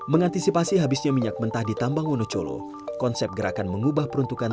mengantisipasi habisnya minyak mentah di tambang wonocolo konsep gerakan mengubah peruntukan